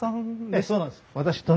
ええそうなんです。